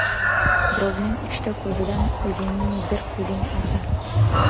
• Birovning uchta ko‘zidan o‘zingning bir ko‘zing afzal.